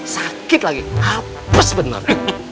sakit lagi hapus bener